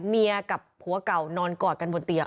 เมียกับผัวเก่านอนกอดกันบนเตียง